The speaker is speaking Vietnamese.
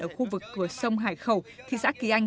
ở khu vực cửa sông hải khẩu thị xã kỳ anh